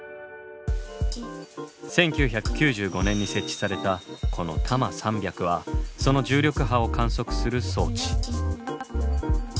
１９９５年に設置されたこのＴＡＭＡ３００はその重力波を観測する装置。